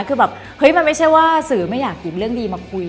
คือแบบเฮ้ยมันไม่ใช่ว่าสื่อไม่อยากหยิบเรื่องดีมาคุย